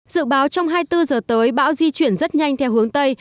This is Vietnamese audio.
dự báo trong hai mươi bốn giờ tới bão di chuyển rất nhanh theo hướng tây